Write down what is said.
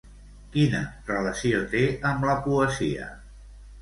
Quina relació té amb la poesia?